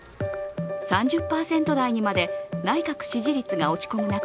３０％台にまで内閣支持率が落ち込む中